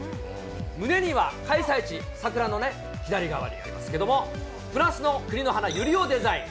胸には開催地、桜の左側にありますけれども、フランスの国の花、ユリをデザイン。